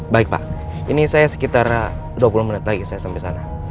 baik pak ini saya sekitar dua puluh menit lagi saya sampai sana